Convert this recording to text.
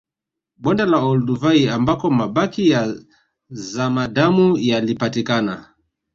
Bonde la Olduvai ambako mabaki ya zamadamu yalipatikana